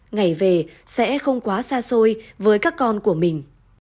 ngày về sẽ không quá xa xôi với các con của mình